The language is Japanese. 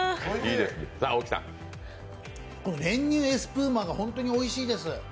練乳エスプーマが本当においしいです。